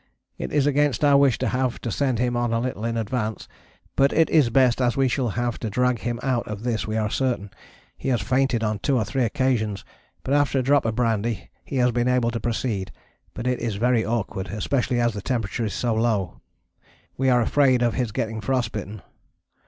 It is against our wish to have to send him on a little in advance, but it is best as we shall have to drag him out of this we are certain. He has fainted on two or three occasions, but after a drop of brandy he has been able to proceed, but it is very awkward, especially as the temperature is so low. We are afraid of his getting frost bitten.